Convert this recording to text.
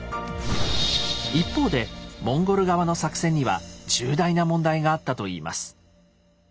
一方でモンゴル側の作戦には重大な問題があったといいます。